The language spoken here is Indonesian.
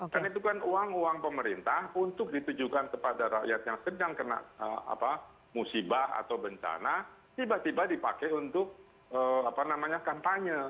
karena itu kan uang uang pemerintah untuk ditujukan kepada rakyat yang sedang kena musibah atau bencana tiba tiba dipakai untuk kampanye